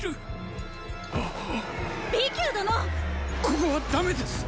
ここはダメです！